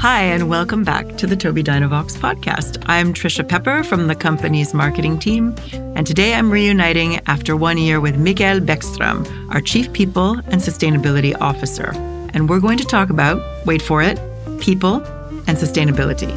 Hi, welcome back to the Tobii Dynavox podcast. I'm Tricia Pepper from the company's marketing team, and today I'm reuniting after one year with Mikael Bäckström, our Chief People and Sustainability Officer, and we're going to talk about, wait for it, people and sustainability.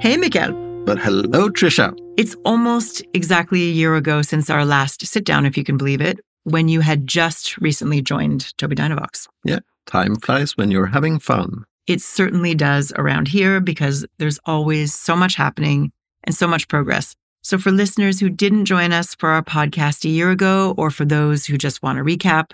Hey, Mikael. Hello, Tricia. It's almost exactly a year ago since our last sit-down, if you can believe it, when you had just recently joined Tobii Dynavox. Yeah, time flies when you're having fun. It certainly does around here because there's always so much happening and so much progress. For listeners who didn't join us for our podcast a year ago, or for those who just want a recap,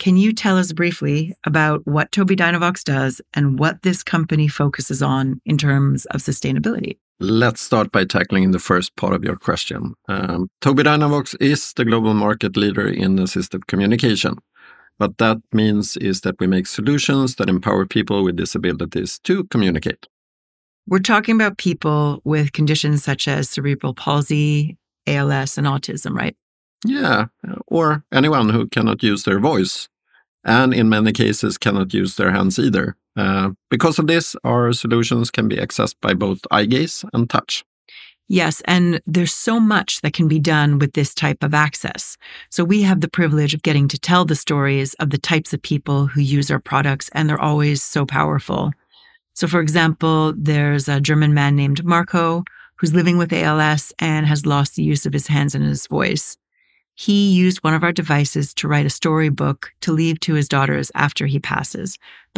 can you tell us briefly about what Tobii Dynavox does and what this company focuses on in terms of sustainability? Let's start by tackling the first part of your question. Tobii Dynavox is the global market leader in assistive communication. What that means is that we make solutions that empower people with disabilities to communicate. We're talking about people with conditions such as cerebral palsy, ALS, and autism, right? Or anyone who cannot use their voice, and in many cases cannot use their hands either. Our solutions can be accessed by both eye gaze and touch. Yes, there's so much that can be done with this type of access. We have the privilege of getting to tell the stories of the types of people who use our products, and they're always so powerful. For example, there's a German man named Marco, who's living with ALS and has lost the use of his hands and his voice. He used one of our devices to write a storybook to leave to his daughters after he passes.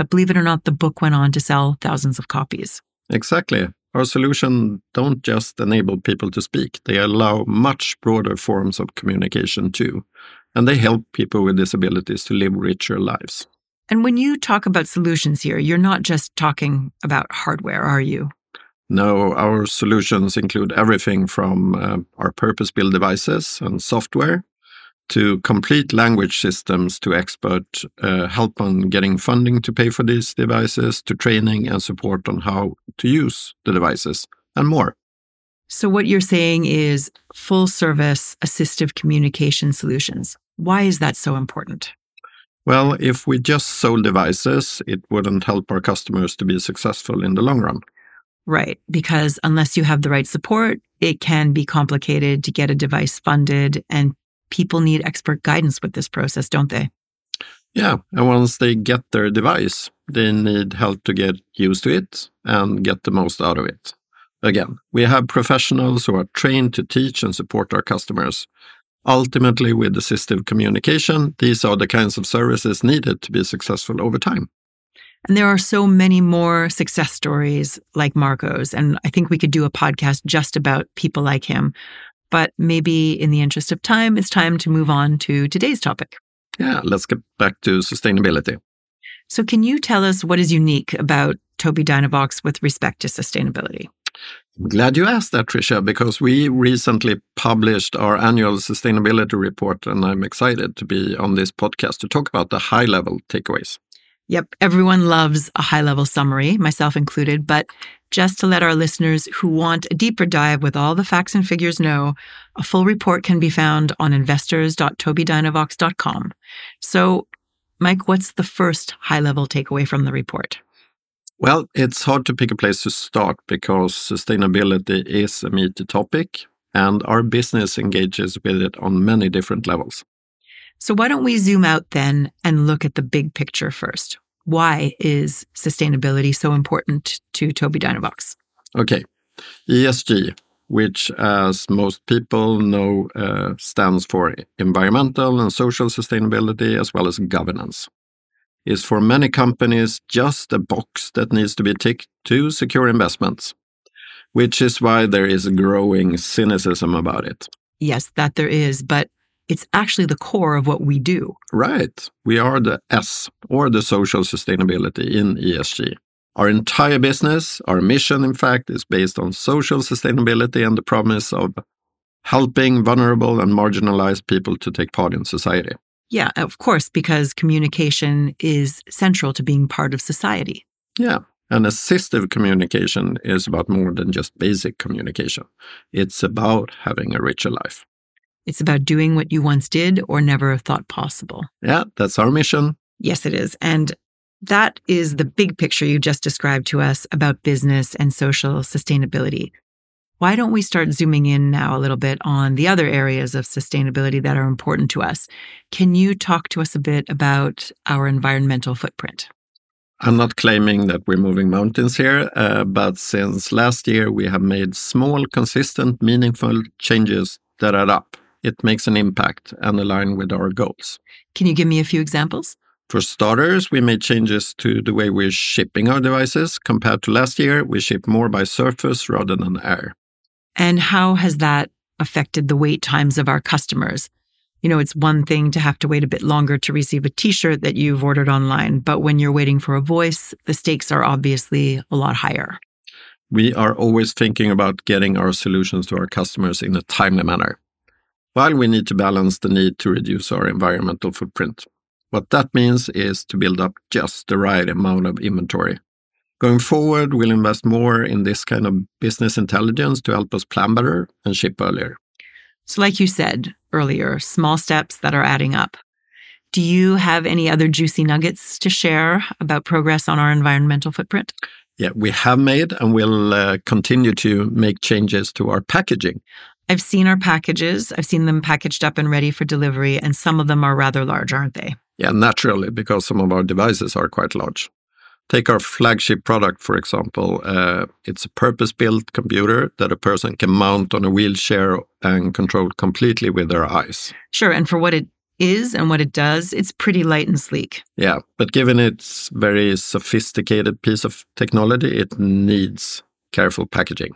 Believe it or not, the book went on to sell thousands of copies. Exactly. Our solution don't just enable people to speak. They allow much broader forms of communication, too, and they help people with disabilities to live richer lives. When you talk about solutions here, you're not just talking about hardware, are you? No, our solutions include everything from, our purpose-built devices and software to complete language systems, to expert, help on getting funding to pay for these devices, to training and support on how to use the devices, and more. What you're saying is full-service assistive communication solutions. Why is that so important? Well, if we just sold devices, it wouldn't help our customers to be successful in the long run. Right. Because unless you have the right support, it can be complicated to get a device funded, and people need expert guidance with this process, don't they? Yeah. Once they get their device, they need help to get used to it and get the most out of it. Again, we have professionals who are trained to teach and support our customers. Ultimately, with assistive communication, these are the kinds of services needed to be successful over time. There are so many more success stories like Marco's, and I think we could do a podcast just about people like him. Maybe in the interest of time, it's time to move on to today's topic. Yeah, let's get back to sustainability. Can you tell us what is unique about Tobii Dynavox with respect to sustainability? I'm glad you asked that, Tricia, because we recently published our annual sustainability report, and I'm excited to be on this podcast to talk about the high-level takeaways. Yep, everyone loves a high-level summary, myself included. Just to let our listeners who want a deeper dive with all the facts and figures know, a full report can be found on investors.tobiidynavox.com. Mike, what's the first high-level takeaway from the report? Well, it's hard to pick a place to start because sustainability is a meaty topic, and our business engages with it on many different levels. Why don't we zoom out then and look at the big picture first? Why is sustainability so important to Tobii Dynavox? Okay. ESG, which, as most people know, stands for environmental and social sustainability, as well as governance, is, for many companies, just a box that needs to be ticked to secure investments, which is why there is a growing cynicism about it. Yes, that there is, but it's actually the core of what we do. Right. We are the S, or the social sustainability in ESG. Our entire business, our mission, in fact, is based on social sustainability and the promise of helping vulnerable and marginalized people to take part in society. Yeah, of course, because communication is central to being part of society. Yeah, assistive communication is about more than just basic communication. It's about having a richer life. It's about doing what you once did or never thought possible. Yeah, that's our mission. Yes, it is. That is the big picture you just described to us about business and social sustainability. Why don't we start zooming in now a little bit on the other areas of sustainability that are important to us? Can you talk to us a bit about our environmental footprint? I'm not claiming that we're moving mountains here, but since last year, we have made small, consistent, meaningful changes that add up. It makes an impact and align with our goals. Can you give me a few examples? For starters, we made changes to the way we're shipping our devices. Compared to last year, we ship more by surface rather than air. How has that affected the wait times of our customers? You know, it's one thing to have to wait a bit longer to receive a T-shirt that you've ordered online, but when you're waiting for a voice, the stakes are obviously a lot higher. We are always thinking about getting our solutions to our customers in a timely manner. While we need to balance the need to reduce our environmental footprint, what that means is to build up just the right amount of inventory. Going forward, we'll invest more in this kind of business intelligence to help us plan better and ship earlier. Like you said earlier, small steps that are adding up. Do you have any other juicy nuggets to share about progress on our environmental footprint? Yeah, we have made, and we'll continue to make changes to our packaging. I've seen our packages. I've seen them packaged up and ready for delivery, and some of them are rather large, aren't they? Yeah, naturally, because some of our devices are quite large. Take our flagship product, for example. It's a purpose-built computer that a person can mount on a wheelchair and control completely with their eyes. Sure, for what it is and what it does, it's pretty light and sleek. Yeah, given it's very sophisticated piece of technology, it needs careful packaging.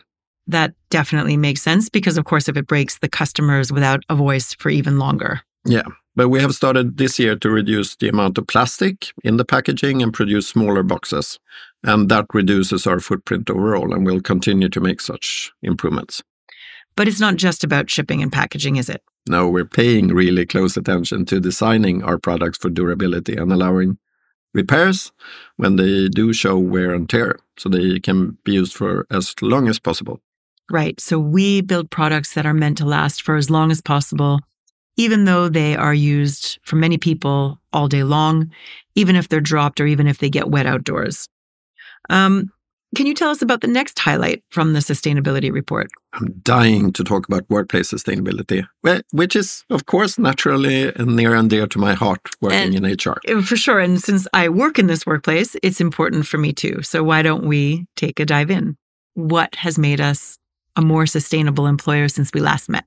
That definitely makes sense because, of course, if it breaks, the customer is without a voice for even longer. Yeah, we have started this year to reduce the amount of plastic in the packaging and produce smaller boxes, and that reduces our footprint overall, and we'll continue to make such improvements. It's not just about shipping and packaging, is it? We're paying really close attention to designing our products for durability and allowing repairs when they do show wear and tear, so they can be used for as long as possible. Right. We build products that are meant to last for as long as possible, even though they are used for many people all day long, even if they're dropped, or even if they get wet outdoors. Can you tell us about the next highlight from the sustainability report? I'm dying to talk about workplace sustainability, well, which is, of course, naturally near and dear to my heart, working in HR. For sure, and since I work in this workplace, it's important for me, too, so why don't we take a dive in? What has made us a more sustainable employer since we last met?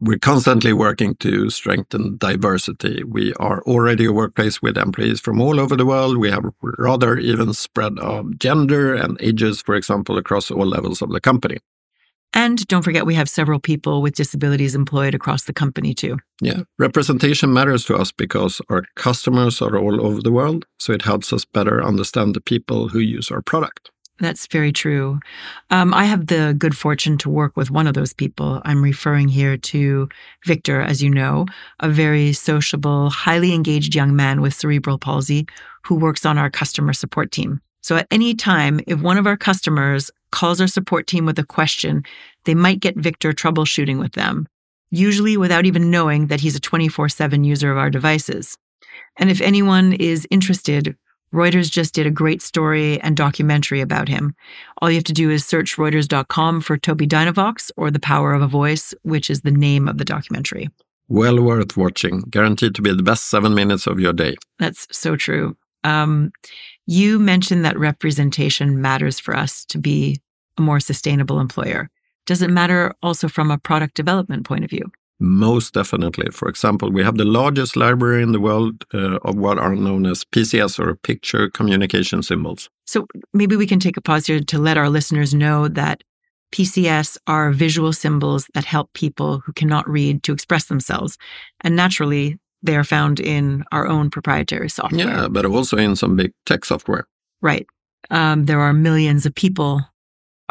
We're constantly working to strengthen diversity. We are already a workplace with employees from all over the world. We have a rather even spread of gender and ages, for example, across all levels of the company. Don't forget, we have several people with disabilities employed across the company, too. Yeah. Representation matters to us because our customers are all over the world, so it helps us better understand the people who use our product. That's very true. I have the good fortune to work with one of those people. I'm referring here to Victor, as you know, a very sociable, highly engaged young man with cerebral palsy, who works on our customer support team. At any time, if one of our customers calls our support team with a question, they might get Victor troubleshooting with them, usually without even knowing that he's a 24/7 user of our devices. If anyone is interested, Reuters just did a great story and documentary about him. All you have to do is search reuters.com for Tobii Dynavox or The Power of a Voice, which is the name of the documentary. Well worth watching. Guaranteed to be the best seven minutes of your day. That's so true. You mentioned that representation matters for us to be a more sustainable employer. Does it matter also from a product development point of view? Most definitely. For example, we have the largest library in the world, of what are known as PCS or Picture Communication Symbols. Maybe we can take a pause here to let our listeners know that PCS are visual symbols that help people who cannot read to express themselves, and naturally, they are found in our own proprietary software. Yeah, also in some big tech software. Right. There are millions of people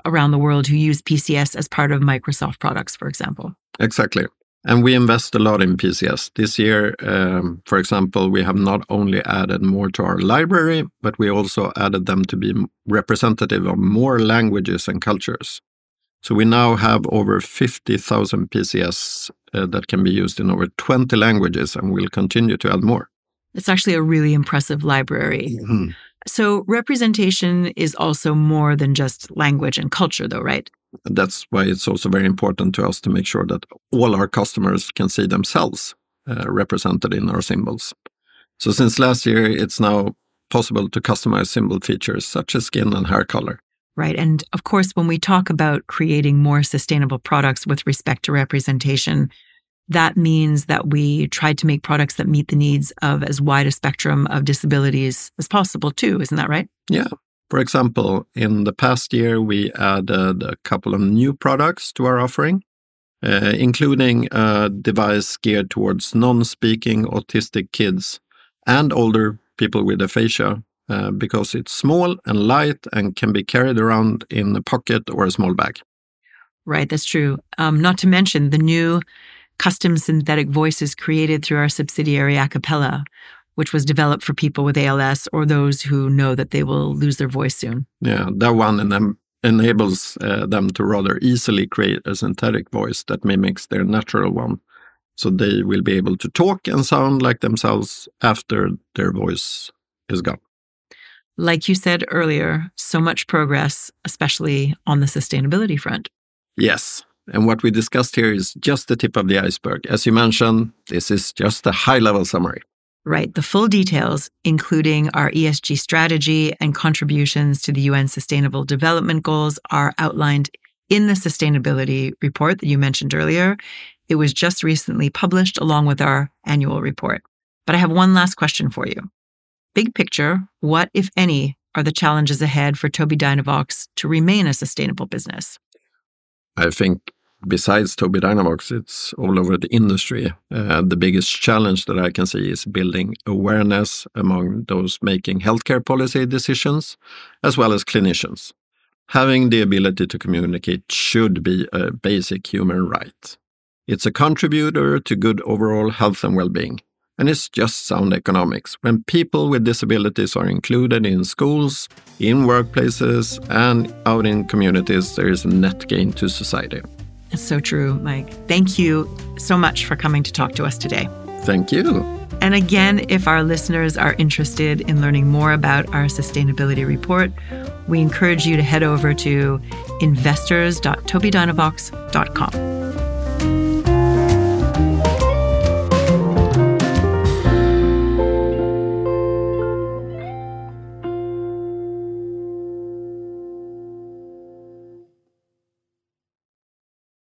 around the world who use PCS as part of Microsoft products, for example. Exactly, we invest a lot in PCS. This year, for example, we have not only added more to our library, but we also added them to be representative of more languages and cultures. We now have over 50,000 PCS, that can be used in over 20 languages, and we'll continue to add more. It's actually a really impressive library. Mm-hmm. Representation is also more than just language and culture, though, right? That's why it's also very important to us to make sure that all our customers can see themselves, represented in our symbols. Since last year, it's now possible to customize symbol features, such as skin and hair color. Right, of course, when we talk about creating more sustainable products with respect to representation, that means that we try to make products that meet the needs of as wide a spectrum of disabilities as possible, too. Isn't that right? Yeah. For example, in the past year, we added a couple of new products to our offering, including a device geared towards non-speaking autistic kids and older people with aphasia, because it's small and light and can be carried around in a pocket or a small bag. Right, that's true. Not to mention the new custom synthetic voices created through our subsidiary, Acapela, which was developed for people with ALS or those who know that they will lose their voice soon. Yeah, that one, and then enables them to rather easily create a synthetic voice that mimics their natural one. They will be able to talk and sound like themselves after their voice is gone. Like you said earlier, so much progress, especially on the sustainability front. Yes, what we discussed here is just the tip of the iceberg. As you mentioned, this is just a high-level summary. Right. The full details, including our ESG strategy and contributions to the UN Sustainable Development Goals, are outlined in the sustainability report that you mentioned earlier. It was just recently published, along with our annual report. I have one last question for you. Big picture, what, if any, are the challenges ahead for Tobii Dynavox to remain a sustainable business? I think besides Tobii Dynavox, it's all over the industry, the biggest challenge that I can see is building awareness among those making healthcare policy decisions, as well as clinicians. Having the ability to communicate should be a basic human right. It's a contributor to good overall health and well-being, and it's just sound economics. When people with disabilities are included in schools, in workplaces, and out in communities, there is a net gain to society. That's so true, Mike. Thank you so much for coming to talk to us today. Thank you. Again, if our listeners are interested in learning more about our sustainability report, we encourage you to head over to investors.tobiidynavox.com.